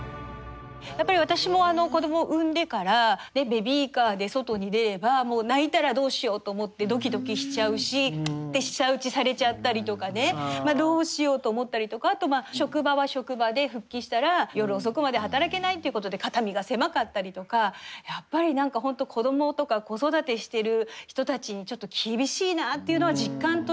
やっぱり私も子どもを産んでからベビーカーで外に出ればもう泣いたらどうしようと思ってドキドキしちゃうしチッて舌打ちされちゃったりとかねどうしようと思ったりとかあとは職場は職場で復帰したら夜遅くまで働けないっていうことで肩身が狭かったりとかやっぱり何か本当子どもとか子育てしてる人たちにちょっと厳しいなっていうのは実感としてありますね。